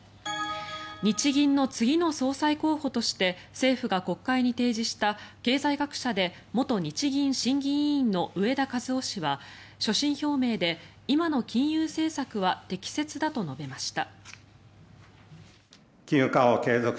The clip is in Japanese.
日銀の次の総裁候補として政府が国会に提示した経済学者で元日銀審議委員の植田和男氏は所信表明で今の金融政策は適切だと述べました。